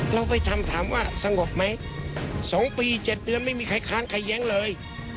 เราไปทำถามว่าสงบไหม๒ปี๗เดือนไม่มีใครค้านใครแย้งเลย